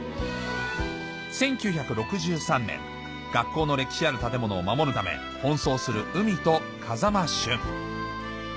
１９６３年学校の歴史ある建物を守るため奔走する海と風間俊